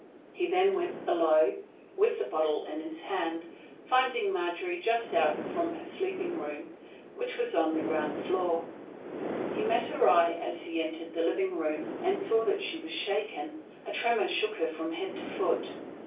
He then went below, with the bottle in his hand, finding Margery just out from her sleeping room, which was on the ground floor. He met her eye as he entered the living room, and saw that she was shaken. A tremor shook her from head to foot.